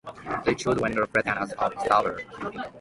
The children are present as observers.